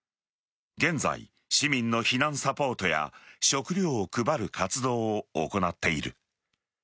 現在市民の避難サポートや食料を配る活動を行っている。